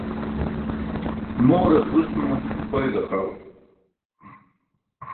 Mooras gus mo hoy ġaqaẏum.